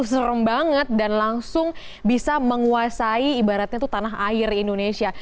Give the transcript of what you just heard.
serem banget dan langsung bisa menguasai ibaratnya itu tanah air indonesia